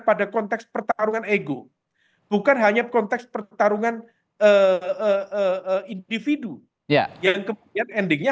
pada konteks pertarungan ego bukan hanya konteks pertarungan individu yang kemudian endingnya